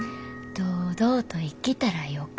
堂々と生きたらよか。